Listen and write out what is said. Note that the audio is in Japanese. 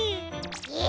え！